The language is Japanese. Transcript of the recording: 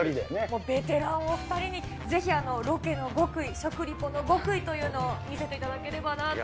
ベテランお２人にぜひロケの極意、食リポの極意というのを見せていただければなと。